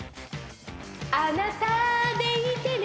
「あなたでいてね」